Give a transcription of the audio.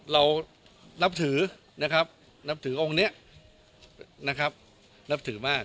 เรานับถือนะครับนับถือองค์นี้นะครับนับถือมาก